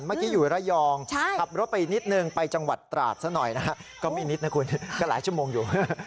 เมื่อกี้อยู่ระยองขับรถไปอีกนิดนึงไปจังหวัดตราดซะหน่อยนะฮะก็ไม่นิดนะคุณก็หลายชั่วโมงอยู่